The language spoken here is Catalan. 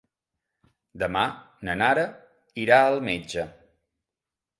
Demà na Nara irà al metge.